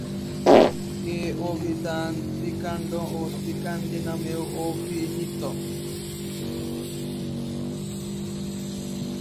এ অভিধান ‘ত্রিকান্ড’ বা ‘ত্রিকান্ডী’ নামেও অভিহিত।